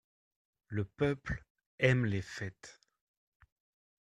Le peuple aime les fêtes.